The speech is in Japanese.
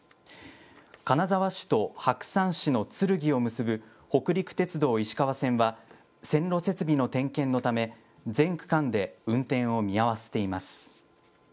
金沢市と白山市の鶴来を結ぶ北陸鉄道石川線は、線路設備の点検のため、全区間で運転を見合わせています。